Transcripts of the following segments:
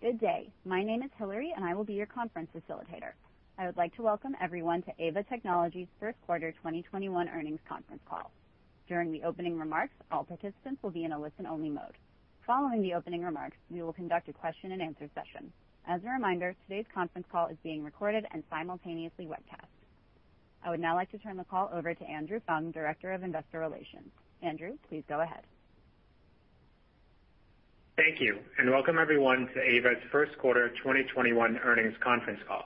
Good day. My name is Hillary, and I will be your conference facilitator. I would like to welcome everyone to Aeva Technologies' First Quarter 2021 Earnings Conference Call. During the opening remarks, all participants will be in a listen-only mode. Following the opening remarks, we will conduct a question and answer session. As a reminder, today's conference call is being recorded and simultaneously webcast. I would now like to turn the call over to Andrew Fung, Director of Investor Relations. Andrew, please go ahead. Thank you, and welcome everyone to Aeva's First Quarter 2021 Earnings Conference Call.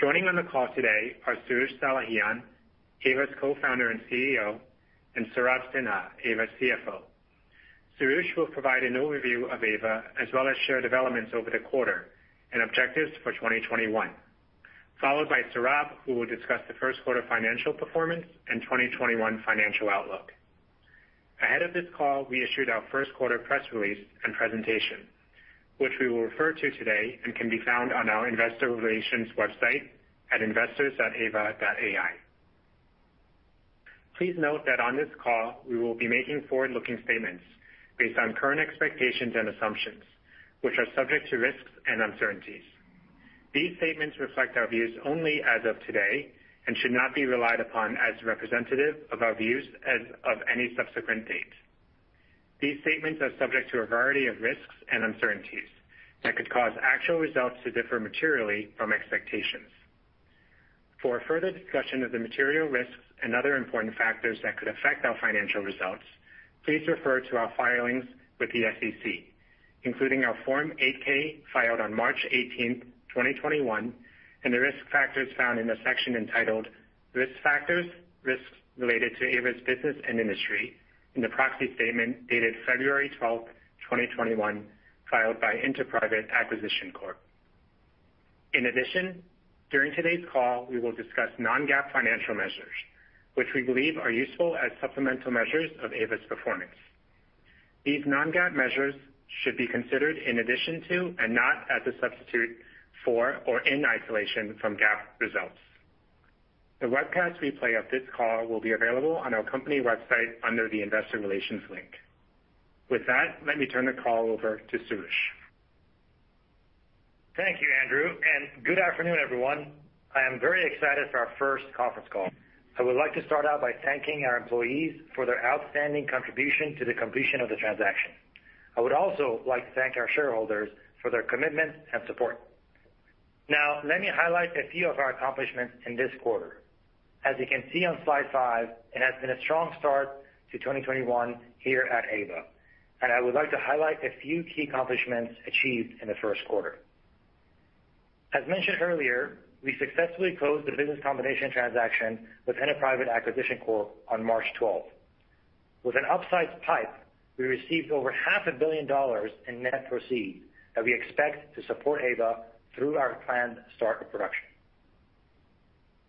Joining on the call today are Soroush Salehian, Aeva's Co-founder and CEO, and Saurabh Sinha, Aeva's CFO. Soroush will provide an overview of Aeva as well as share developments over the quarter and objectives for 2021, followed by Saurabh, who will discuss the first quarter financial performance and 2021 financial outlook. Ahead of this call, we issued our first quarter press release and presentation, which we will refer to today and can be found on our investor relations website at investors.aeva.ai. Please note that on this call, we will be making forward-looking statements based on current expectations and assumptions, which are subject to risks and uncertainties. These statements reflect our views only as of today and should not be relied upon as representative of our views as of any subsequent date. These statements are subject to a variety of risks and uncertainties that could cause actual results to differ materially from expectations. For a further discussion of the material risks and other important factors that could affect our financial results, please refer to our filings with the SEC, including our Form 8-K filed on March 18, 2021, and the risk factors found in the section entitled "Risk Factors, Risks Related to Aeva's Business and Industry" in the proxy statement dated February 12, 2021, filed by InterPrivate Acquisition Corp. In addition, during today's call, we will discuss non-GAAP financial measures, which we believe are useful as supplemental measures of Aeva's performance. These non-GAAP measures should be considered in addition to and not as a substitute for or in isolation from GAAP results. A webcast replay of this call will be available on our company website under the investor relations link. With that, let me turn the call over to Soroush. Thank you, Andrew. Good afternoon, everyone. I am very excited for our first conference call. I would like to start out by thanking our employees for their outstanding contribution to the completion of the transaction. I would also like to thank our shareholders for their commitment and support. Let me highlight a few of our accomplishments in this quarter. As you can see on slide 5, it has been a strong start to 2021 here at Aeva, and I would like to highlight a few key accomplishments achieved in the first quarter. As mentioned earlier, we successfully closed the business combination transaction with InterPrivate Acquisition Corp on March 12th. With an upsized pipe, we received over half a billion dollars in net proceeds that we expect to support Aeva through our planned start of production.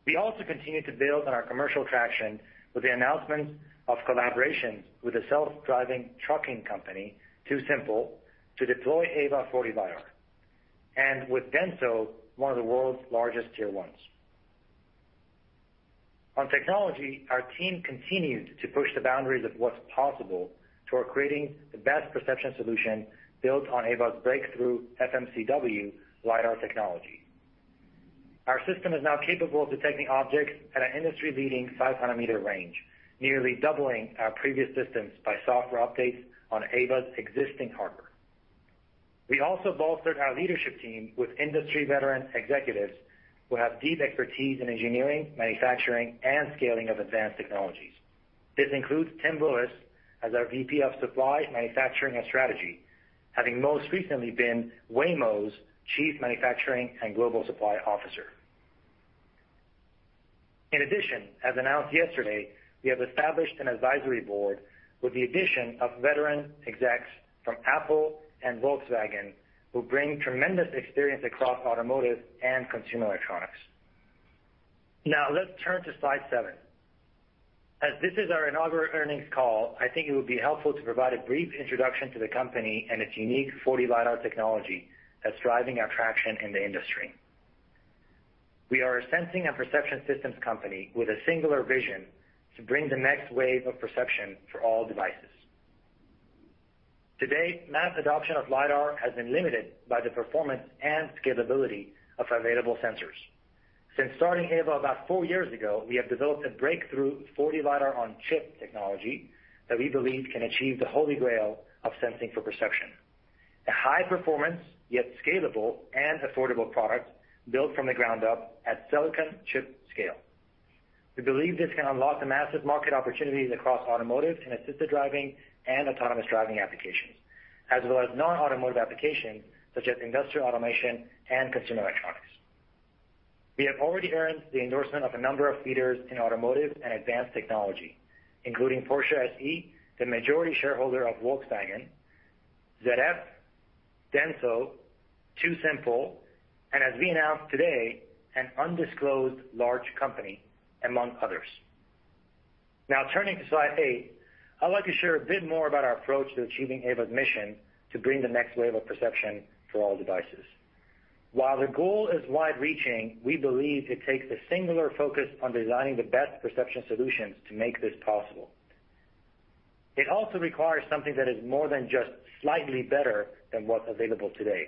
We also continued to build on our commercial traction with the announcement of collaborations with a self-driving trucking company, TuSimple, to deploy Aeva 4D LiDAR, and with Denso, one of the world's largest Tier 1s. On technology, our team continued to push the boundaries of what's possible toward creating the best perception solution built on Aeva's breakthrough FMCW LiDAR technology. Our system is now capable of detecting objects at an industry-leading 500-meter range, nearly doubling our previous systems by software updates on Aeva's existing hardware. We also bolstered our leadership team with industry veteran executives who have deep expertise in engineering, manufacturing, and scaling of advanced technologies. This includes Tim Willis as our VP of Supply, Manufacturing, and Strategy, having most recently been Waymo's Chief Manufacturing and Global Supply Officer. In addition, as announced yesterday, we have established an advisory board with the addition of veteran execs from Apple and Volkswagen, who bring tremendous experience across automotive and consumer electronics. Let's turn to slide 7. As this is our inaugural earnings call, I think it would be helpful to provide a brief introduction to the company and its unique 4D LiDAR technology that's driving our traction in the industry. We are a sensing and perception systems company with a singular vision to bring the next wave of perception for all devices. To date, mass adoption of LiDAR has been limited by the performance and scalability of available sensors. Since starting Aeva about four years ago, we have developed a breakthrough 4D LiDAR on chip technology that we believe can achieve the holy grail of sensing for perception, a high-performance, yet scalable and affordable product built from the ground up at silicon chip scale. We believe this can unlock the massive market opportunities across automotive and assisted driving and autonomous driving applications, as well as non-automotive applications such as industrial automation and consumer electronics. We have already earned the endorsement of a number of leaders in automotive and advanced technology, including Porsche SE, the majority shareholder of Volkswagen, ZF, Denso, TuSimple, and as we announced today, an undisclosed large company, among others. Now turning to slide 8, I'd like to share a bit more about our approach to achieving Aeva's mission to bring the next wave of perception for all devices. While the goal is wide-reaching, we believe it takes a singular focus on designing the best perception solutions to make this possible. It also requires something that is more than just slightly better than what's available today.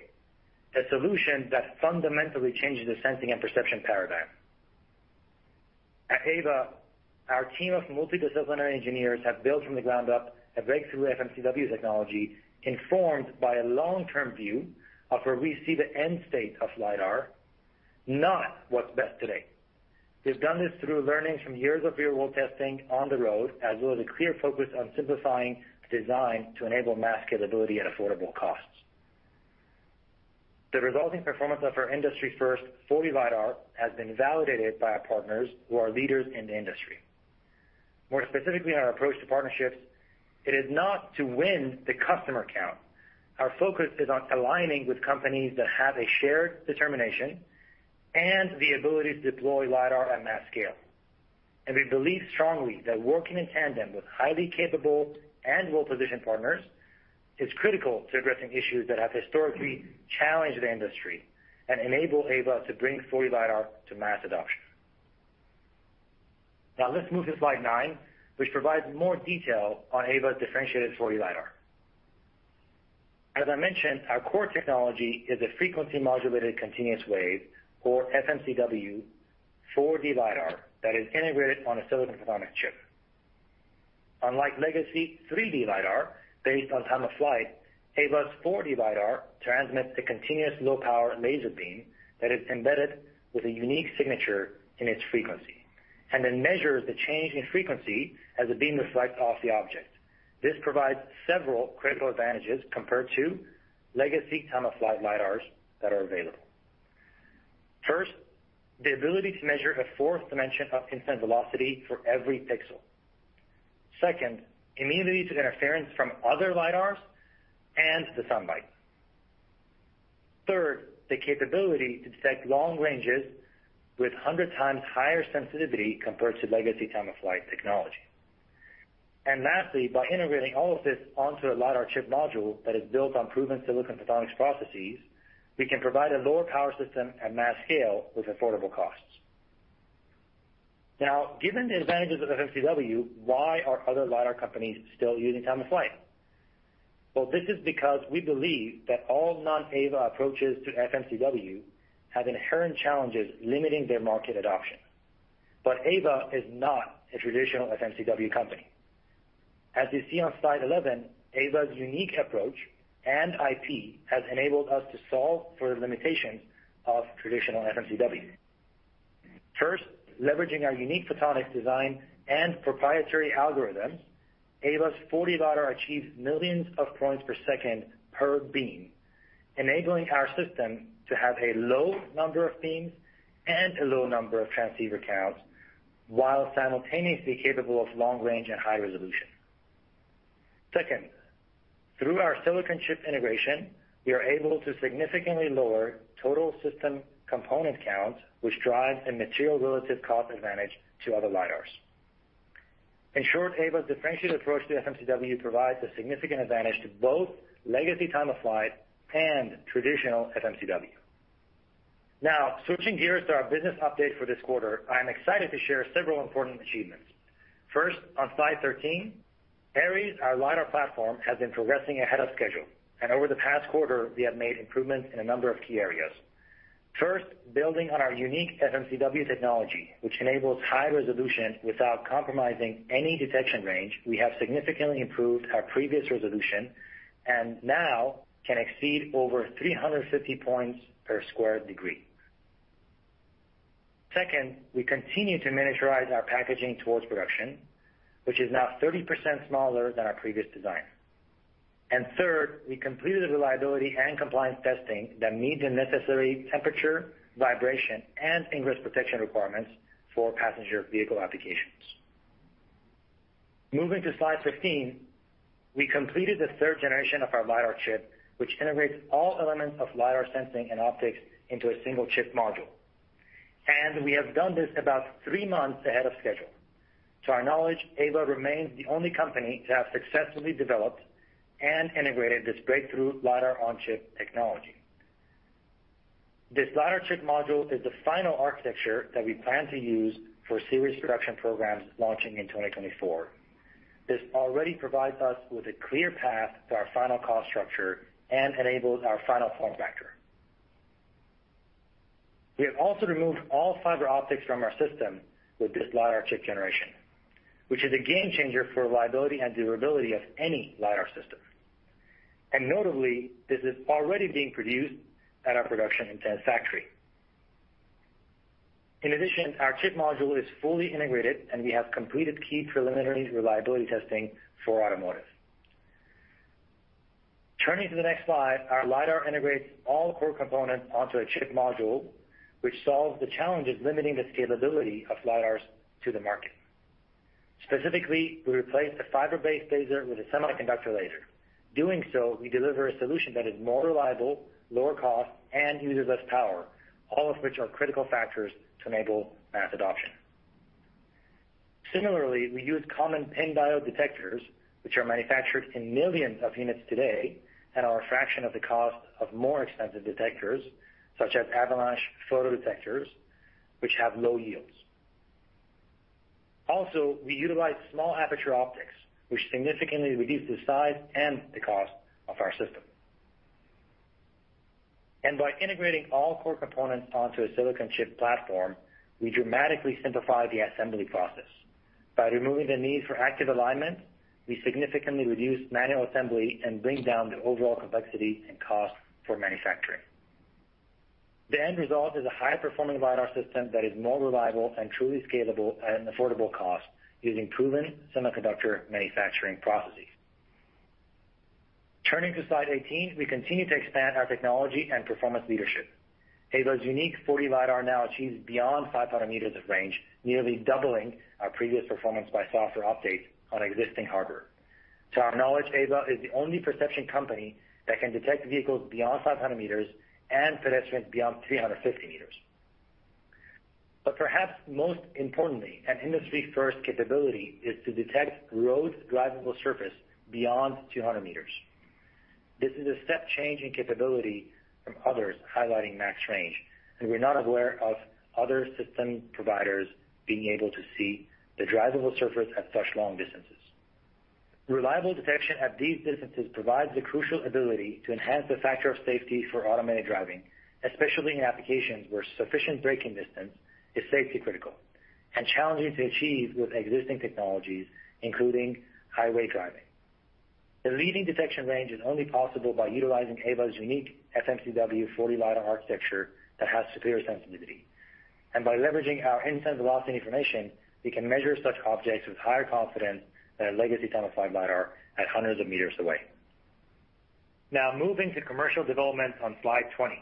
A solution that fundamentally changes the sensing and perception paradigm. At Aeva, our team of multidisciplinary engineers have built from the ground up a breakthrough FMCW technology informed by a long-term view of where we see the end state of LiDAR, not what's best today. We've done this through learnings from years of real-world testing on the road, as well as a clear focus on simplifying design to enable mass scalability at affordable costs. The resulting performance of our industry first 4D LiDAR has been validated by our partners who are leaders in the industry. More specifically on our approach to partnerships, it is not to win the customer count. Our focus is on aligning with companies that have a shared determination and the ability to deploy LiDAR at mass scale. We believe strongly that working in tandem with highly capable and well-positioned partners is critical to addressing issues that have historically challenged the industry and enable Aeva to bring 4D LiDAR to mass adoption. Now, let's move to slide 9, which provides more detail on Aeva's differentiated 4D LiDAR. As I mentioned, our core technology is a Frequency Modulated Continuous Wave, or FMCW, 4D LiDAR that is integrated on a silicon photonic chip. Unlike legacy 3D LiDAR based on time of flight, Aeva's 4D LiDAR transmits the continuous low-power laser beam that is embedded with a unique signature in its frequency, and then measures the change in frequency as the beam reflects off the object. This provides several critical advantages compared to legacy time of flight LiDARs that are available. First, the ability to measure a fourth dimension of instant velocity for every pixel. Second, immunity to interference from other LiDARs and the sunlight. Third, the capability to detect long ranges with 100 times higher sensitivity compared to legacy time of flight technology. Lastly, by integrating all of this onto a LiDAR chip module that is built on proven silicon photonics processes, we can provide a lower-power system at mass scale with affordable costs. Now, given the advantages of FMCW, why are other LiDAR companies still using time of flight? Well, this is because we believe that all non-Aeva approaches to FMCW have inherent challenges limiting their market adoption. Aeva is not a traditional FMCW company. As you see on slide 11, Aeva's unique approach and IP has enabled us to solve for the limitations of traditional FMCW. First, leveraging our unique photonics design and proprietary algorithms, Aeva's 4D LiDAR achieves millions of points per second per beam, enabling our system to have a low number of beams and a low number of transceiver counts while simultaneously capable of long range and high resolution. Second, through our silicon chip integration, we are able to significantly lower total system component count, which drives a material relative cost advantage to other LiDARs. In short, Aeva's differentiated approach to FMCW provides a significant advantage to both legacy time of flight and traditional FMCW. Now, switching gears to our business update for this quarter, I am excited to share several important achievements. First, on slide 13, Aeries, our LiDAR platform, has been progressing ahead of schedule, and over the past quarter, we have made improvements in a number of key areas. First, building on our unique FMCW technology, which enables high resolution without compromising any detection range, we have significantly improved our previous resolution and now can exceed over 350 points per square degree. Second, we continue to miniaturize our packaging towards production, which is now 30% smaller than our previous design. Third, we completed the reliability and compliance testing that meet the necessary temperature, vibration, and ingress protection requirements for passenger vehicle applications. Moving to slide 15, we completed the third generation of our LiDAR chip, which integrates all elements of LiDAR sensing and optics into a single chip module. We have done this about three months ahead of schedule. To our knowledge, Aeva remains the only company to have successfully developed and integrated this breakthrough LiDAR-on-chip technology. This LiDAR chip module is the final architecture that we plan to use for series production programs launching in 2024. This already provides us with a clear path to our final cost structure and enables our final form factor. We have also removed all fiber optics from our system with this LiDAR chip generation, which is a game changer for reliability and durability of any LiDAR system. Notably, this is already being produced at our production intent factory. In addition, our chip module is fully integrated, and we have completed key preliminary reliability testing for automotive. Turning to the next slide, our LiDAR integrates all core components onto a chip module, which solves the challenges limiting the scalability of LiDARs to the market. Specifically, we replaced a fiber-based laser with a semiconductor laser. Doing so, we deliver a solution that is more reliable, lower cost, and uses less power, all of which are critical factors to enable mass adoption. Similarly, we use common PIN diode detectors, which are manufactured in millions of units today and are a fraction of the cost of more expensive detectors, such as avalanche photodetectors, which have low yields. Also, we utilize small aperture optics, which significantly reduce the size and the cost of our system. By integrating all core components onto a silicon photonics platform, we dramatically simplify the assembly process. By removing the need for active alignment, we significantly reduce manual assembly and bring down the overall complexity and cost for manufacturing. The end result is a high-performing LiDAR system that is more reliable and truly scalable at an affordable cost using proven semiconductor manufacturing processes. Turning to slide 18. We continue to expand our technology and performance leadership. Aeva's unique 4D LiDAR now achieves beyond 500 meters of range, nearly doubling our previous performance by software updates on existing hardware. To our knowledge, Aeva is the only perception company that can detect vehicles beyond 500 meters and pedestrians beyond 350 meters. Perhaps most importantly, an industry-first capability is to detect road's drivable surface beyond 200 meters. This is a step change in capability from others highlighting max range, and we're not aware of other system providers being able to see the drivable surface at such long distances. Reliable detection at these distances provides the crucial ability to enhance the factor of safety for automated driving, especially in applications where sufficient braking distance is safety critical and challenging to achieve with existing technologies, including highway driving. The leading detection range is only possible by utilizing Aeva's unique FMCW 4D LiDAR architecture that has superior sensitivity. By leveraging our instant velocity information, we can measure such objects with higher confidence than a legacy time of flight LiDAR at hundreds of meters away. Moving to commercial development on slide 20.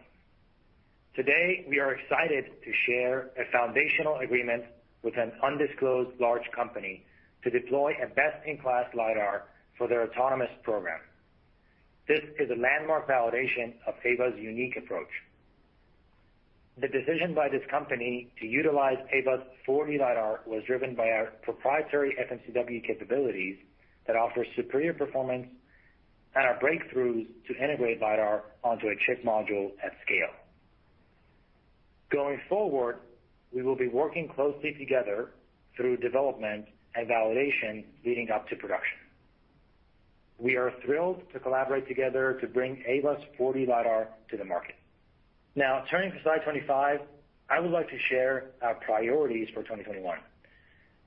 Today, we are excited to share a foundational agreement with an undisclosed large company to deploy a best-in-class LiDAR for their autonomous program. This is a landmark validation of Aeva's unique approach. The decision by this company to utilize Aeva's 4D LiDAR was driven by our proprietary FMCW capabilities that offer superior performance and our breakthroughs to integrate LiDAR onto a chip module at scale. Going forward, we will be working closely together through development and validation leading up to production. We are thrilled to collaborate together to bring Aeva's 4D LiDAR to the market. Now, turning to slide 25, I would like to share our priorities for 2021.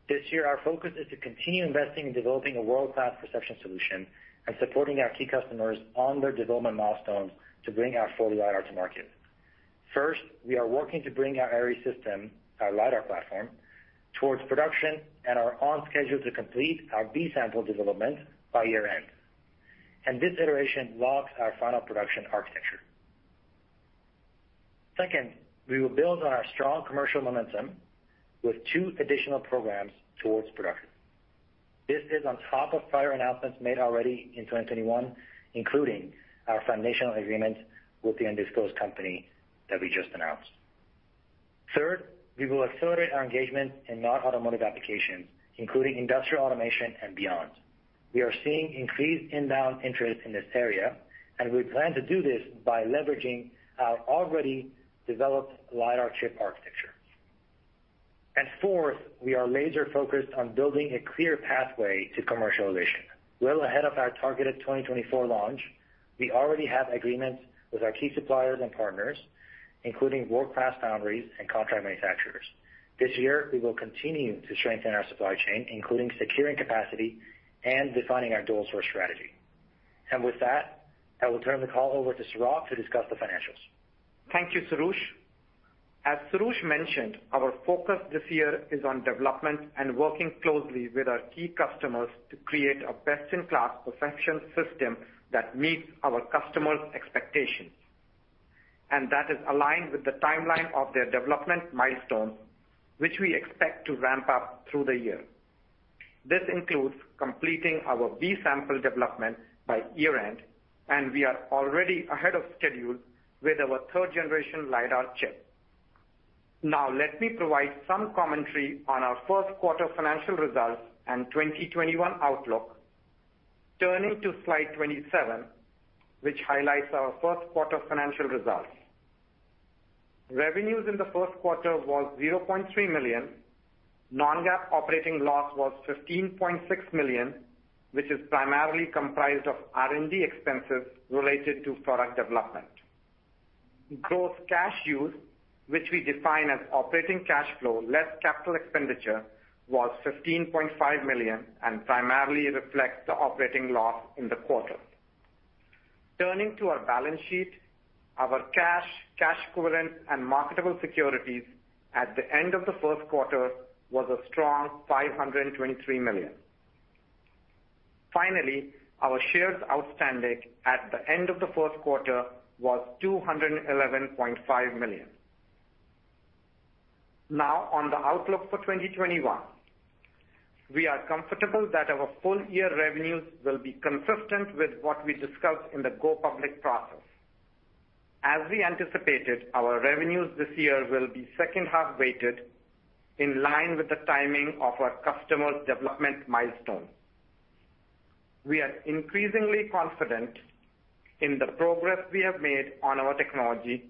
This year, our focus is to continue investing in developing a world-class perception solution and supporting our key customers on their development milestones to bring our 4D LiDAR to market. First, we are working to bring our Aeries system, our LiDAR platform, towards production and are on schedule to complete our B-sample development by year-end. This iteration locks our final production architecture. Second, we will build on our strong commercial momentum with two additional programs towards production. This is on top of prior announcements made already in 2021, including our foundational agreement with the undisclosed company that we just announced. Third, we will accelerate our engagement in non-automotive applications, including industrial automation and beyond. We are seeing increased inbound interest in this area, and we plan to do this by leveraging our already developed LiDAR chip architecture. Fourth, we are laser focused on building a clear pathway to commercialization. Well ahead of our targeted 2024 launch, we already have agreements with our key suppliers and partners, including world-class foundries and contract manufacturers. This year, we will continue to strengthen our supply chain, including securing capacity and defining our dual-source strategy. With that, I will turn the call over to Saurabh to discuss the financials. Thank you, Soroush. As Soroush mentioned, our focus this year is on development and working closely with our key customers to create a best-in-class perception system that meets our customers' expectations and that is aligned with the timeline of their development milestones, which we expect to ramp up through the year. This includes completing our B-sample development by year-end, and we are already ahead of schedule with our third-generation LiDAR chip. Now, let me provide some commentary on our first quarter financial results and 2021 outlook. Turning to slide 27, which highlights our first quarter financial results. Revenues in the first quarter was $0.3 million. non-GAAP operating loss was $15.6 million, which is primarily comprised of R&D expenses related to product development. Gross cash use, which we define as operating cash flow less capital expenditure, was $15.5 million and primarily reflects the operating loss in the quarter. Turning to our balance sheet, our cash, cash equivalent, and marketable securities at the end of the first quarter was a strong $523 million. Finally, our shares outstanding at the end of the first quarter was 211.5 million. On the outlook for 2021. We are comfortable that our full-year revenues will be consistent with what we discussed in the go public process. As we anticipated, our revenues this year will be second-half weighted in line with the timing of our customers' development milestones. We are increasingly confident in the progress we have made on our technology,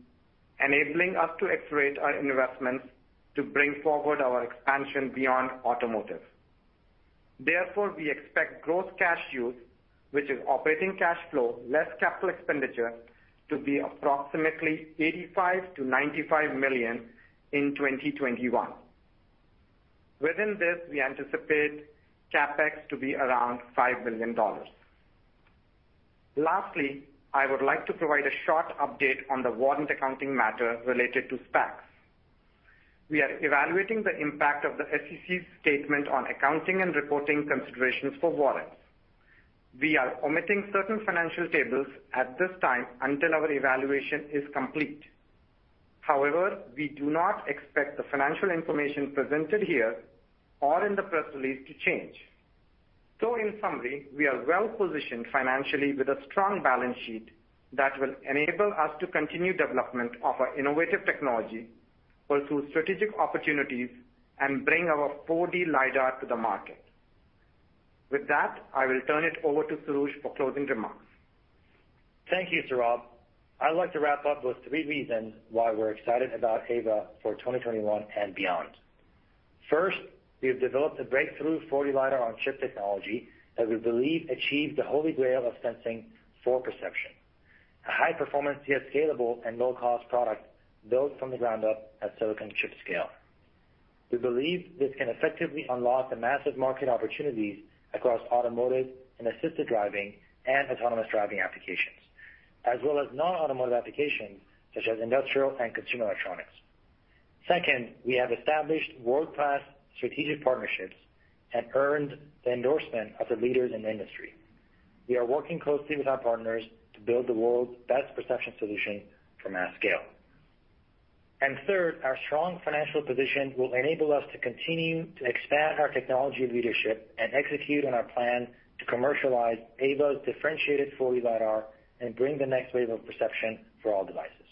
enabling us to accelerate our investments to bring forward our expansion beyond automotive. Therefore, we expect gross cash use, which is operating cash flow, less capital expenditure, to be approximately $85 million-$95 million in 2021. Within this, we anticipate CapEx to be around $5 million. I would like to provide a short update on the warrant accounting matter related to SPACs. We are evaluating the impact of the SEC's statement on accounting and reporting considerations for warrants. We are omitting certain financial tables at this time until our evaluation is complete. However, we do not expect the financial information presented here or in the press release to change. In summary, we are well-positioned financially with a strong balance sheet that will enable us to continue development of our innovative technology, pursue strategic opportunities, and bring our 4D LiDAR to the market. With that, I will turn it over to Soroush for closing remarks. Thank you, Saurabh. I'd like to wrap up with three reasons why we're excited about Aeva for 2021 and beyond. First, we have developed a breakthrough 4D LiDAR-on-chip technology that we believe achieves the holy grail of sensing for perception. A high-performance, yet scalable and low-cost product built from the ground up at silicon chip scale. We believe this can effectively unlock the massive market opportunities across automotive and assisted driving and autonomous driving applications, as well as non-automotive applications such as industrial and consumer electronics. Second, we have established world-class strategic partnerships and earned the endorsement of the leaders in the industry. We are working closely with our partners to build the world's best perception solution for mass scale. Third, our strong financial position will enable us to continue to expand our technology leadership and execute on our plan to commercialize Aeva's differentiated 4D LiDAR and bring the next wave of perception for all devices.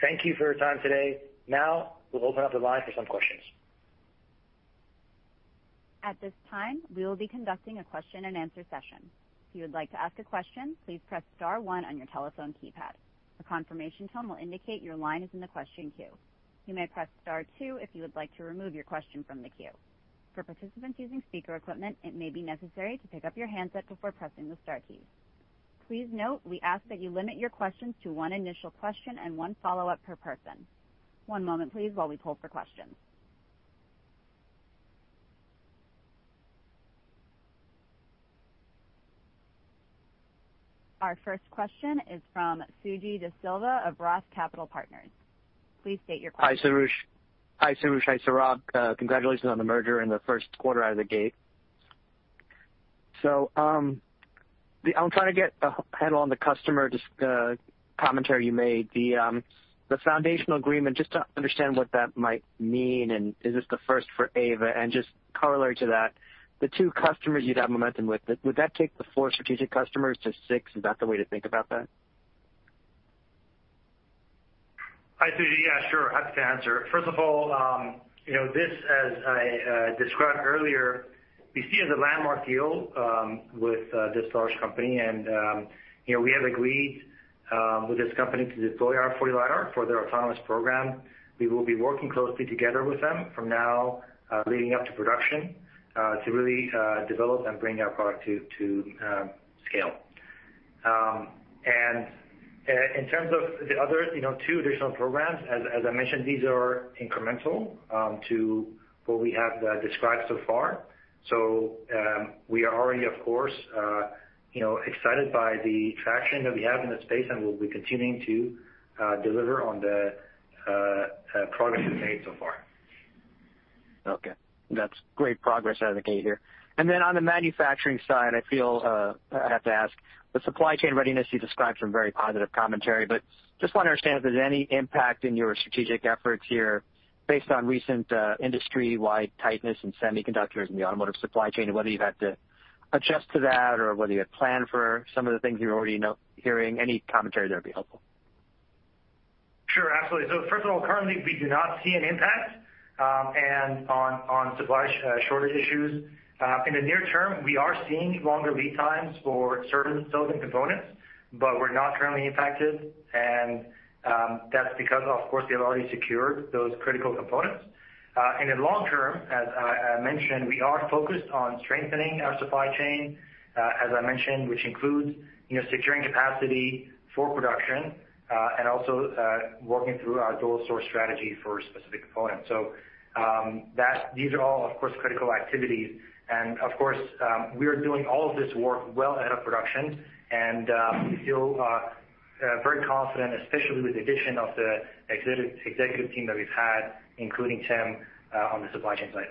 Thank you for your time today. Now, we'll open up the line for some questions. At this time, we will be conducting a question and answer session. If you would like to ask a question, please press star one on your telephone keypad. A confirmation tone will indicate your line is in the question queue. You may press star two if you would like to remove your question from the queue. For participants using speaker equipment, it may be necessary to pick up your handset before pressing the star keys. Please note we ask that you limit your questions to one initial question and one follow-up per person. One moment, please, while we poll for questions. Our first question is from Sujeeva De Silva of Roth Capital Partners. Please state your question. Hi, Soroush. Hi, Saurabh. Congratulations on the merger and the first quarter out of the gate. I'm trying to get a handle on the customer commentary you made. The foundational agreement, just to understand what that might mean, and is this the first for Aeva? Just corollary to that, the two customers you'd have momentum with, would that take the four strategic customers to six? Is that the way to think about that? Hi, Sujeeva. Yeah, sure. Happy to answer. First of all, this, as I described earlier, we see as a landmark deal with this large company. We have agreed with this company to deploy our 4D LiDAR for their autonomous program. We will be working closely together with them from now leading up to production to really develop and bring our product to scale. In terms of the other two additional programs, as I mentioned, these are incremental to what we have described so far. We are already, of course, excited by the traction that we have in this space, and we'll be continuing to deliver on the progress we've made so far. Okay. That's great progress out of the gate here. On the manufacturing side, I feel I have to ask, the supply chain readiness you described some very positive commentary, but just want to understand if there's any impact in your strategic efforts here based on recent industry-wide tightness in semiconductors and the automotive supply chain, and whether you've had to adjust to that or whether you had planned for some of the things you're already hearing. Any commentary there would be helpful. Sure, absolutely. First of all, currently, we do not see an impact on supply shortage issues. In the near term, we are seeing longer lead times for certain silicon components, but we're not currently impacted, and that's because, of course, we have already secured those critical components. In long term, as I mentioned, we are focused on strengthening our supply chain, as I mentioned, which includes securing capacity for production, and also working through our dual-source strategy for specific components. These are all, of course, critical activities. Of course, we are doing all of this work well ahead of production. We feel very confident, especially with the addition of the executive team that we've had, including Tim, on the supply chain side.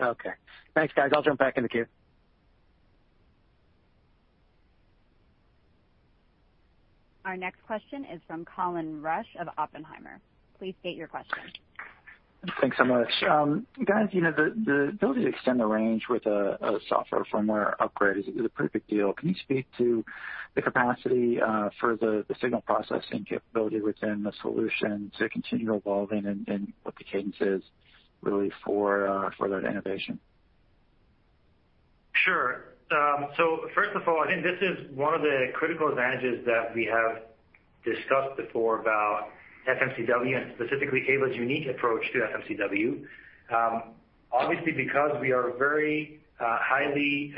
Okay. Thanks, guys. I'll jump back in the queue. Our next question is from Colin Rusch of Oppenheimer. Please state your question. Thanks so much. Guys, the ability to extend the range with a software firmware upgrade is a perfect deal. Can you speak to the capacity for the signal processing capability within the solution to continue evolving and what the cadence is really for that innovation? Sure. First of all, I think this is one of the critical advantages that we have discussed before about FMCW and specifically Aeva's unique approach to FMCW. Obviously, because we are very highly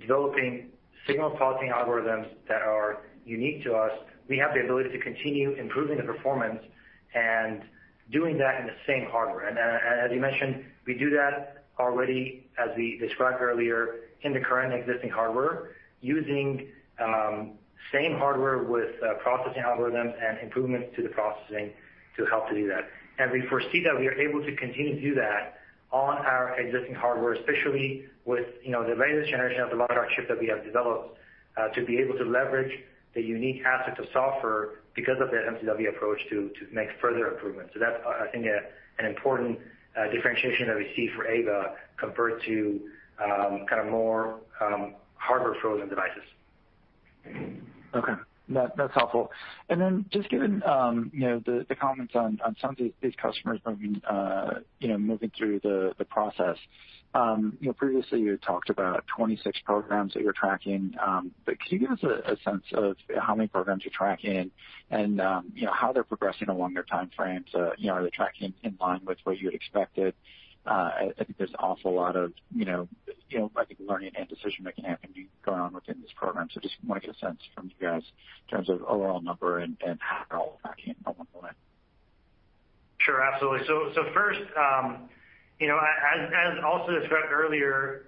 developing signal processing algorithms that are unique to us, we have the ability to continue improving the performance and doing that in the same hardware. As you mentioned, we do that already, as we described earlier, in the current existing hardware, using same hardware with processing algorithms and improvements to the processing to help to do that. We foresee that we are able to continue to do that on our existing hardware, especially with the latest generation of the LiDAR chip that we have developed, to be able to leverage the unique assets of software because of the FMCW approach to make further improvements. That's, I think, an important differentiation that we see for Aeva compared to more hardware-frozen devices. Okay. That's helpful. Just given the comments on some of these customers moving through the process. Previously you had talked about 26 programs that you're tracking. Could you give us a sense of how many programs you're tracking and how they're progressing along your timeframes? Are they tracking in line with what you had expected? I think there's also a lot of learning and decision-making happening going on within this program. Just want to get a sense from you guys in terms of overall number and how they're all tracking along the way. Sure, absolutely. First, as also described earlier,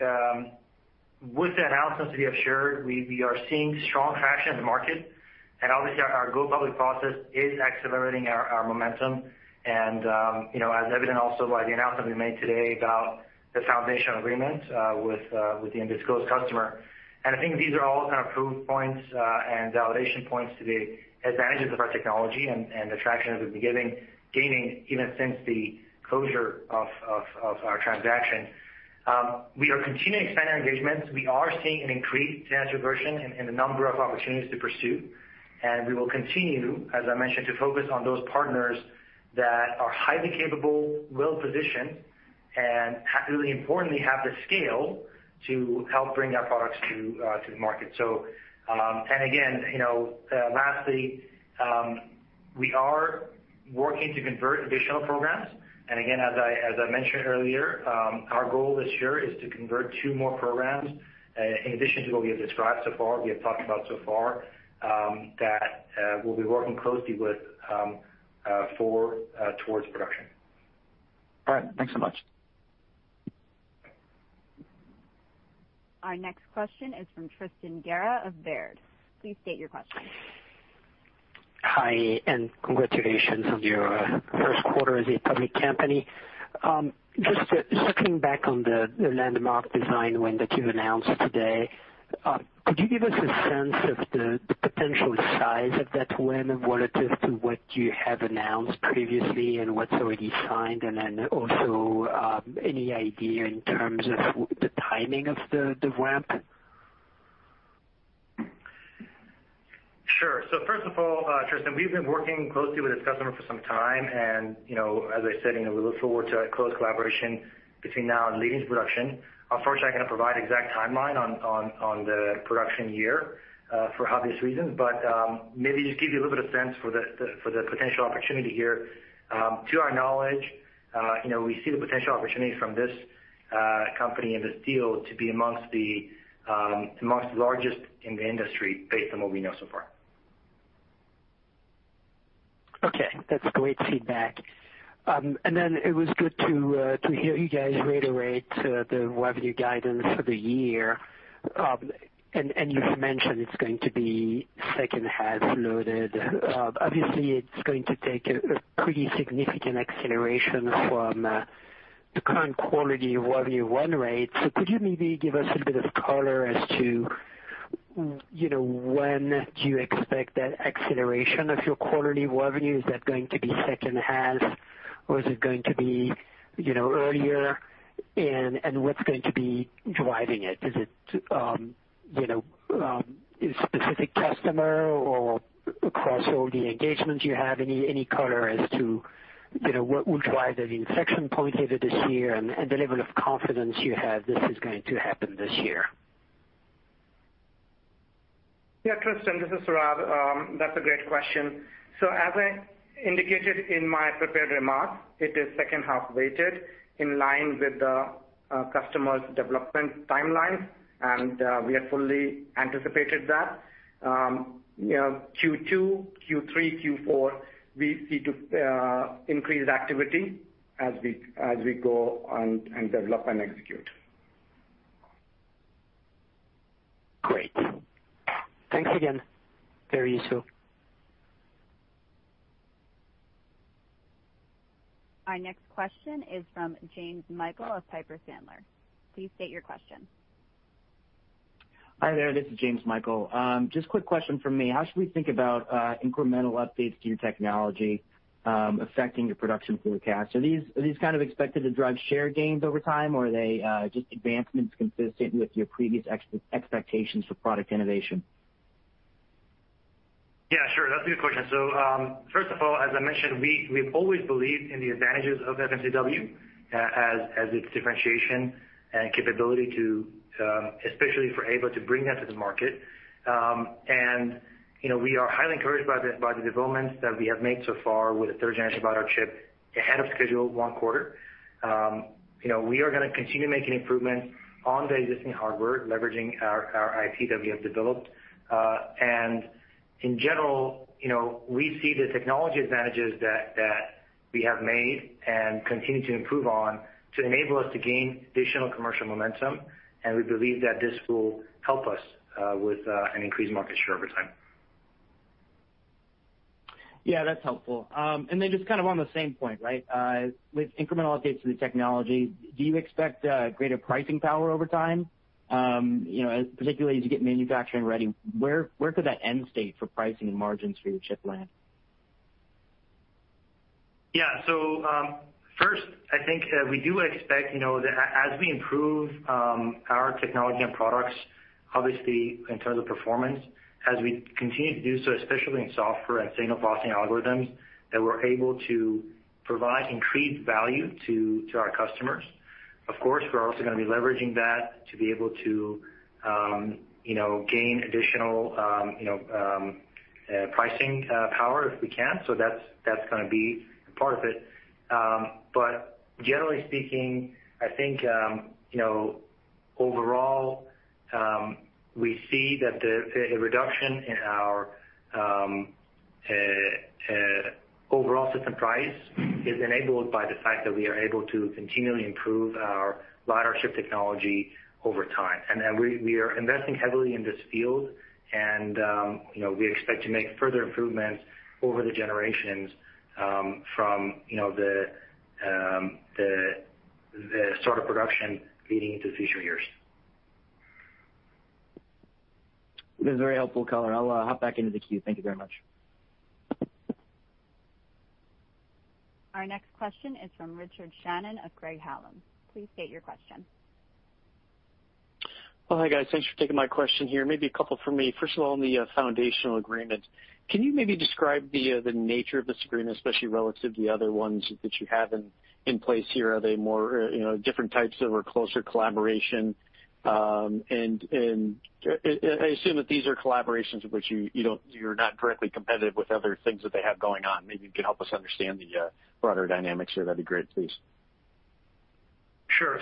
with the announcements that we have shared, we are seeing strong traction in the market, and obviously our go public process is accelerating our momentum. As evident also by the announcement we made today about the foundational agreement with the undisclosed customer. I think these are all kind of proof points and validation points to the advantages of our technology and the traction that we've been gaining even since the closure of our transaction. We are continuing to expand our engagements. We are seeing an increased interest in the number of opportunities to pursue, and we will continue, as I mentioned, to focus on those partners that are highly capable, well-positioned, and really importantly, have the scale to help bring our products to the market. Again, lastly, we are working to convert additional programs. Again, as I mentioned earlier, our goal this year is to convert two more programs, in addition to what we have described so far, we have talked about so far, that we'll be working closely with towards production. All right. Thanks so much. Our next question is from Tristan Gerra of Baird. Please state your question. Hi, congratulations on your first quarter as a public company. Just circling back on the landmark design win that you announced today. Could you give us a sense of the potential size of that win relative to what you have announced previously and what is already signed? Also, any idea in terms of the timing of the ramp? Sure. First of all, Tristan, we've been working closely with this customer for some time, and as I said, we look forward to a close collaboration between now and leading to production. Unfortunately, I cannot provide exact timeline on the production year for obvious reasons, but maybe just give you a little bit of sense for the potential opportunity here. To our knowledge, we see the potential opportunity from this company and this deal to be amongst the largest in the industry based on what we know so far. Okay, that's great feedback. It was good to hear you guys reiterate the revenue guidance for the year. You've mentioned it's going to be second half loaded. Obviously, it's going to take a pretty significant acceleration from the current quarterly revenue run rate. Could you maybe give us a little bit of color as to when do you expect that acceleration of your quarterly revenue? Is that going to be second half or is it going to be earlier? What's going to be driving it? Is it a specific customer or across all the engagements you have? Any color as to what will drive the inflection point either this year and the level of confidence you have this is going to happen this year? Yeah, Tristan, this is Saurabh. That's a great question. As I indicated in my prepared remarks, it is second half weighted in line with the customer's development timeline, and we had fully anticipated that. Q2, Q3, Q4, we see increased activity as we go and develop and execute. Great. Thanks again. Very useful. Our next question is from James Michael of Piper Sandler. Please state your question. Hi there. This is James Michael. Just quick question from me. How should we think about incremental updates to your technology affecting your production through the CapEx? Are these kind of expected to drive share gains over time, or are they just advancements consistent with your previous expectations for product innovation? Yeah, sure. That's a good question. First of all, as I mentioned, we've always believed in the advantages of FMCW as its differentiation and capability to, especially for Aeva, to bring that to the market. We are highly encouraged by the developments that we have made so far with the third-generation LiDAR chip ahead of schedule, one quarter. We are going to continue making improvements on the existing hardware, leveraging our IP that we have developed. In general, we see the technology advantages that we have made and continue to improve on to enable us to gain additional commercial momentum. We believe that this will help us with an increased market share over time. Yeah, that's helpful. Just on the same point, with incremental updates to the technology, do you expect greater pricing power over time? Particularly as you get manufacturing ready, where could that end state for pricing and margins for your chip land? Yeah. First, I think we do expect that as we improve our technology and products, obviously in terms of performance, as we continue to do so, especially in software and signal processing algorithms, that we're able to provide increased value to our customers. Of course, we're also going to be leveraging that to be able to gain additional pricing power if we can. That's going to be a part of it. Generally speaking, I think, overall, we see that the reduction in our overall system price is enabled by the fact that we are able to continually improve our LiDAR chip technology over time. We are investing heavily in this field and we expect to make further improvements over the generations from the start of production leading into future years. This is very helpful color. I'll hop back into the queue. Thank you very much. Our next question is from Richard Shannon of Craig-Hallum. Please state your question. Well, hi guys. Thanks for taking my question here. Maybe a couple from me. First of all, on the foundational agreement, can you maybe describe the nature of this agreement, especially relative to the other ones that you have in place here? Are they more different types of, or closer collaboration? I assume that these are collaborations in which you're not directly competitive with other things that they have going on. Maybe you can help us understand the broader dynamics here, that'd be great, please. Sure.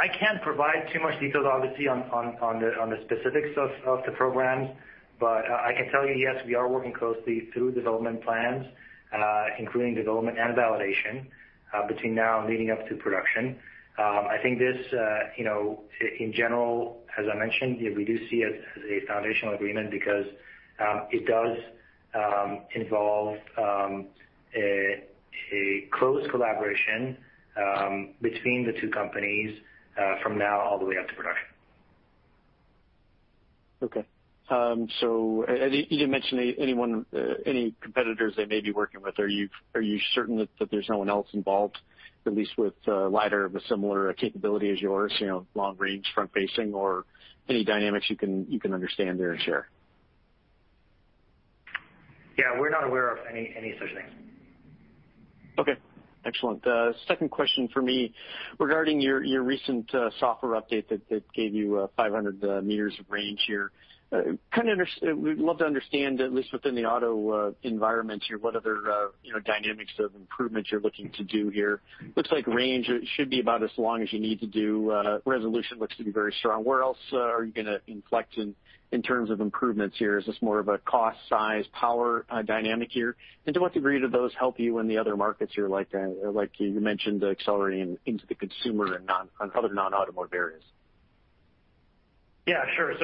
I can't provide too much details, obviously, on the specifics of the programs, but I can tell you, yes, we are working closely through development plans including development and validation between now and leading up to production. I think this, in general, as I mentioned, we do see it as a foundational agreement because it does involve a close collaboration between the two companies from now all the way up to production. Okay. You didn't mention any competitors they may be working with. Are you certain that there's no one else involved, at least with LiDAR of a similar capability as yours, long range, front facing, or any dynamics you can understand there and share? Yeah. We're not aware of any such things. Okay. Excellent. Second question for me regarding your recent software update that gave you 500 meters of range here. We'd love to understand, at least within the auto environment here, what other dynamics of improvements you're looking to do here. Looks like range should be about as long as you need to do. Resolution looks to be very strong. Where else are you going to inflect in terms of improvements here? Is this more of a cost, size, power dynamic here? To what degree do those help you in the other markets you're like you mentioned, accelerating into the consumer and other non-automotive areas? Yeah, sure.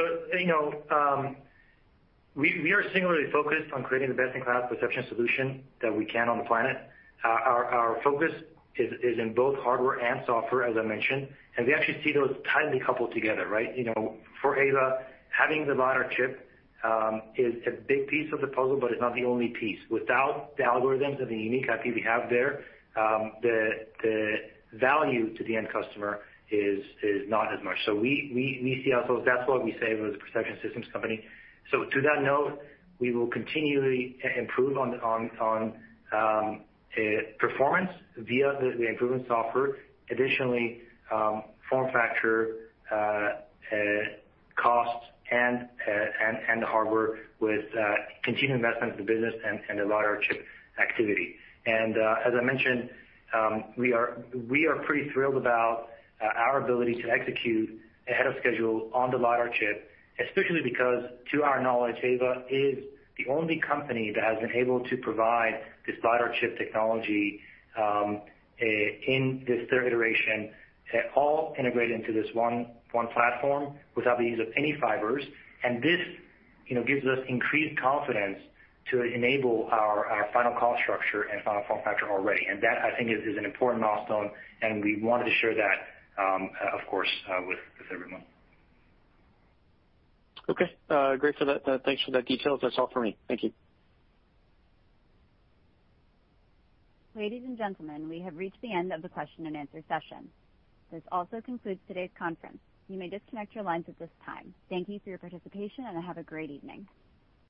We are singularly focused on creating the best-in-class perception solution that we can on the planet. Our focus is in both hardware and software, as I mentioned, and we actually see those tightly coupled together, right? For Aeva, having the LiDAR chip is a big piece of the puzzle, but it's not the only piece. Without the algorithms and the unique IP we have there, the value to the end customer is not as much. We see ourselves, that's what we say, we're the perception systems company. To that note, we will continually improve on performance via the improvement software. Additionally, form factor, cost and the hardware with continued investment in the business and the LiDAR chip activity. As I mentioned, we are pretty thrilled about our ability to execute ahead of schedule on the LiDAR chip, especially because, to our knowledge, Aeva is the only company that has been able to provide this LiDAR chip technology in this third iteration, all integrated into this one platform without the use of any fibers. This gives us increased confidence to enable our final cost structure and final form factor already. That, I think, is an important milestone, and we wanted to share that, of course, with everyone. Okay. Great for that. Thanks for the details. That's all for me. Thank you. Ladies and gentlemen, we have reached the end of the question and answer session. This also concludes today's conference. You may disconnect your lines at this time. Thank you for your participation, and have a great evening.